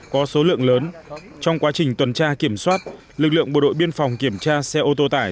có số lượng lớn trong quá trình tuần tra kiểm soát lực lượng bộ đội biên phòng kiểm tra xe ô tô tải